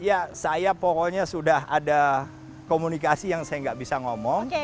ya saya pokoknya sudah ada komunikasi yang saya nggak bisa ngomong